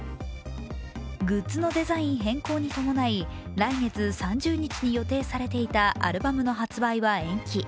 グッズのデザイン変更に伴い、来月３０日に予定されていたアルバムの発売は延期。